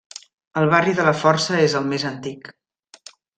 El barri de la Força és el més antic.